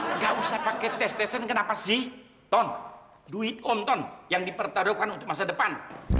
enggak usah pakai tes tesan kenapa sih ton duit omton yang dipertaruhkan untuk masa depan